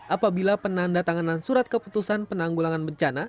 apabila penanda tanganan surat keputusan penanggulangan bencana